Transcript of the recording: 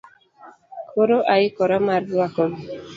Koro aikora mar rwakogi